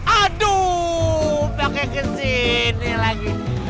aduh pakai kesini lagi